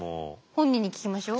本人に聞きましょう。